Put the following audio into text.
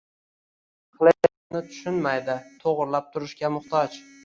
– qilayotganini tushunmaydi, to‘g‘rilab turishga muhtoj”.